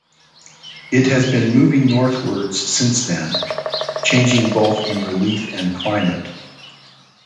It has been moving northwards since then, changing both in relief and climate.